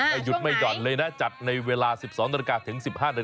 ไม่หยุดไมธรจัดในเวลา๑๒นก็ถึง๑๕น